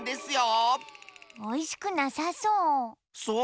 おいしくなさそう。